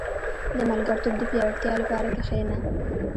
• د ملګرتوب د پياوړتیا لپاره کښېنه.